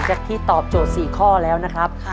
ที่ตอบโจทย์๔ข้อแล้วนะครับ